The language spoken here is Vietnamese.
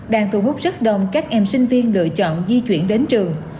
đang thu hút rất đông các em sinh viên lựa chọn di chuyển đến trường